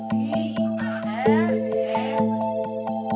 kita ditemukan di daerah otomotifnya